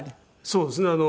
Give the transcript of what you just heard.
そうですね。